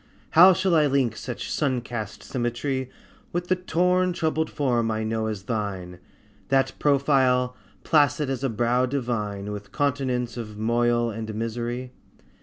How shall I link such sun cast symmetry With the torn troubled form I know as thine, That profile, placid as a brow divine, With continents of moil and misery?